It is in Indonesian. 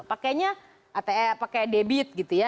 pakainya pakai debit gitu ya